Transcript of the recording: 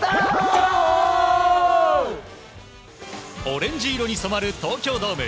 オレンジ色に染まる東京ドーム。